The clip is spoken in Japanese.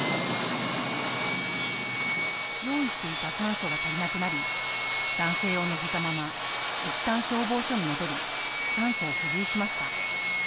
用意していた酸素が足りなくなり男性を乗せたままいったん消防署に戻り酸素を補充しました。